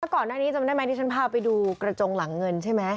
ก่อนหน้านี้จำได้ไหมที่ฉันพาไปดูกระจงหลังเงินใช่ไหม